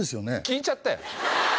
聞いちゃったよ。